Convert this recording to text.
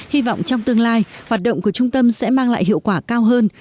hy vọng trong tương lai hoạt động của trung tâm sẽ mang lại hiệu quả cao hơn